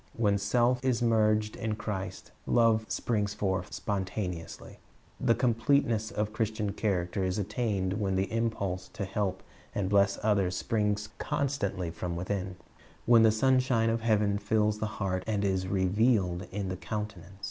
When self is merged in Christ, love springs forth spontaneously. The completeness of Christian character is attained when the impulse to help and bless others springs constantly from within, — when the sunshine of heaven fills the heart and is revealed in the countenance.